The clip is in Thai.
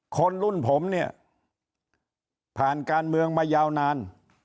คนรุ่นผมเนี่ยผ่านการเมืองมายาวนาน